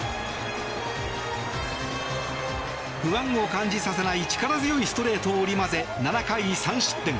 不安を感じさせない力強いストレートを織り交ぜ７回３失点。